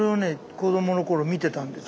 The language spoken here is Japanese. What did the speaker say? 子どもの頃見てたんです。